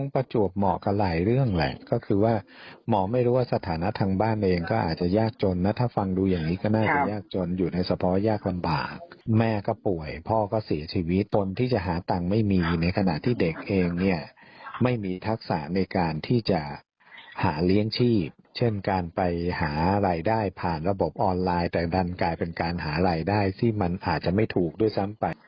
เป็นการหาไหล่ได้ที่มันอาจจะไม่ถูกด้วยซ้ำไป